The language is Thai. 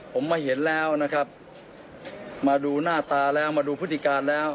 ผมมาเห็นแล้วนะครับมาดูหน้าตาแล้วมาดูพฤติการแล้ว